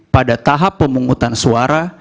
pada tahap pemungutan suara